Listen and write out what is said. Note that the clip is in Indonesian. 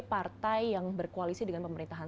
partai yang berkoalisi dengan pemerintahan